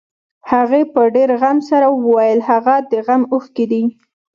هغې په ډېر غم سره وويل هغه د غم اوښکې دي.